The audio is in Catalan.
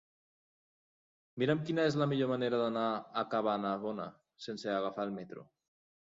Mira'm quina és la millor manera d'anar a Cabanabona sense agafar el metro.